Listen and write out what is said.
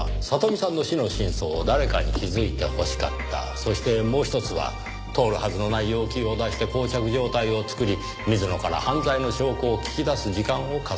そしてもう１つは通るはずのない要求を出して膠着状態を作り水野から犯罪の証拠を聞き出す時間を稼ぐため。